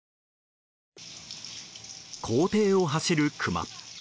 校庭を走るクマ。